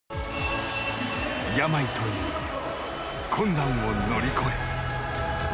病という困難を乗り越え。